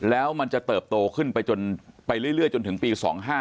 แล้วมันจะเติบโตขึ้นไปเรื่อยจนถึงปี๒๕๖